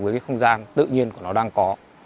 với cái không gian tự nhiên của nó đang có